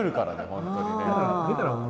本当にね。